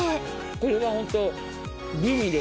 これはホント。